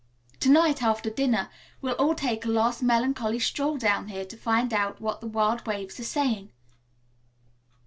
To night after dinner we'll all take a last melancholy stroll down here to find out what the wild waves are saying."